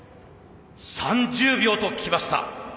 ３０秒ときました。